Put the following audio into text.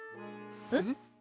えっ？